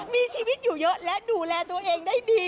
มีชีวิตอยู่เยอะและดูแลตัวเองได้ดี